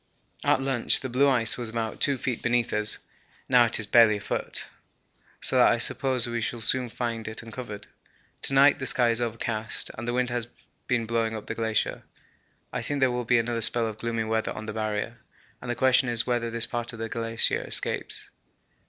At lunch the blue ice was about 2 feet beneath us, now it is barely a foot, so that I suppose we shall soon find it uncovered. To night the sky is overcast and wind has been blowing up the glacier. I think there will be another spell of gloomy weather on the Barrier, and the question is whether this part of the glacier escapes.